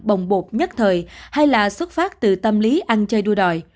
bồng bột nhất thời hay là xuất phát từ tâm lý ăn chơi đua đòi